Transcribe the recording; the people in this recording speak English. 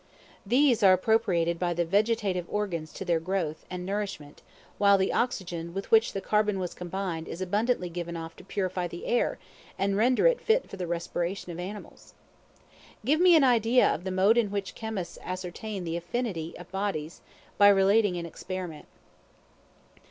These are appropriated by the vegetative organs to their growth and nourishment, while the oxygen with which the carbon was combined is abundantly given off to purify the air and render it fit for the respiration of animals. Give me an idea of the mode in which Chemists ascertain the affinity of bodies, by relating an experiment.